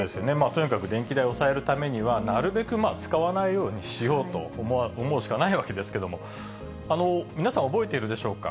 とにかく電気代を抑えるためには、なるべく使わないようにしようと思うしかないわけですけれども、皆さん、覚えているでしょうか。